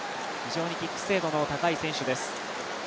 キック精度の高い選手です。